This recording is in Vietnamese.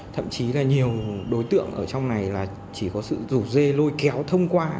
thậm chí là nhiều đối tượng ở trong này là chỉ có sự rủ dê lôi kéo thông qua